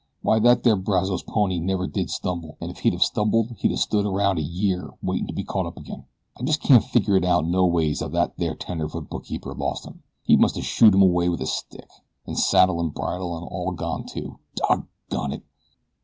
"Why thet there Brazos pony never did stumble, an' if he'd of stumbled he'd a stood aroun' a year waitin' to be caught up agin. I jest cain't figger it out no ways how thet there tenderfoot bookkeeper lost him. He must a shooed him away with a stick. An' saddle an' bridle an' all gone too. Doggone it!"